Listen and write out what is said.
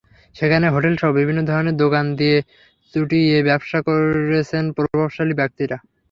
সেখানে হোটেলসহ বিভিন্ন ধরনের দোকান দিয়ে চুটিয়ে ব্যবসা করছেন প্রভাবশালী ব্যক্তিরা।